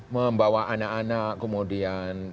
membawa anak anak kemudian